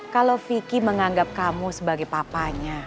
kalau vicky menganggap kamu sebagai papanya